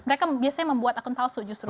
mereka biasanya membuat akun palsu justru